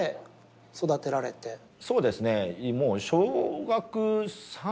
そうですね。